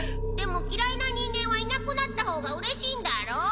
でも嫌いな人間はいなくなったほうがうれしいんだろ？